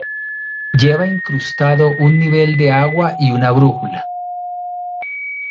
Lleva incrustado un nivel de agua y una brújula.